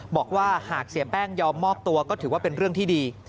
บอกว่าหากเสียแป้งยอมมอบตัวก็ถือว่าเป็นเรื่องที่ดี